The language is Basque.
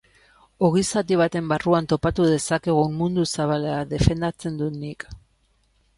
Ogi zati baten barruan topatu dezakegun mundu zabala defendatzen dut nik.